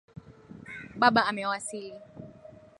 Baba amewasili.